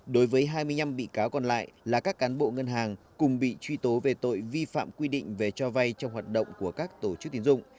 đối với hai mươi năm bị cáo còn lại là các cán bộ ngân hàng cùng bị truy tố về tội vi phạm quy định về cho vay trong hoạt động của các tổ chức tín dụng